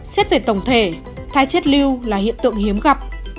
xét về tổng thể thai chết lưu là hiện tượng hiếm gặp